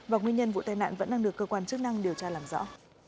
và nguyên nhân vụ tai nạn vẫn đang được cơ quan chức năng điều tra làm rõ